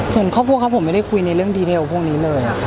ส่วนครอบครัวครับผมไม่ได้คุยในเรื่องดีเทลพวกนี้เลย